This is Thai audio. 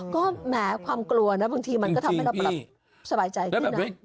ก็แหมความกลัวนะบางทีมันก็ทำให้เราแบบสบายใจขึ้นนะ